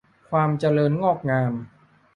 ความเจริญงอกงาม